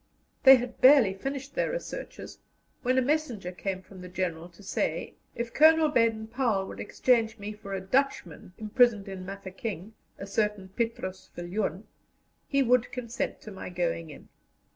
They had barely finished their researches, when a messenger came from the General to say, if Colonel Baden Powell would exchange me for a Dutchman imprisoned in Mafeking, a certain Petrus Viljoen, he would consent to my going in.